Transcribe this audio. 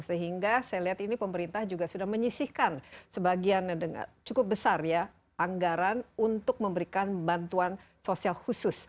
sehingga saya lihat ini pemerintah juga sudah menyisihkan sebagian cukup besar ya anggaran untuk memberikan bantuan sosial khusus